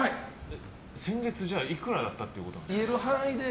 先月、じゃあいくらだったってことなんですか。